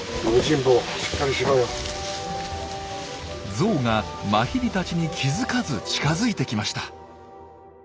ゾウがマヒリたちに気付かず近づいてきました。